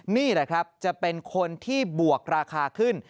นี่แหละครับจะเป็นคนที่บวกราคาขึ้น